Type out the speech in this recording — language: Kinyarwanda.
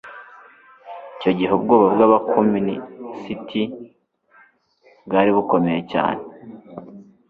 Icyo gihe ubwoba bw'abakomunisiti bwari bukomeye cyane.